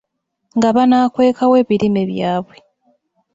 Nga banaakweka wa ebirime byabwe?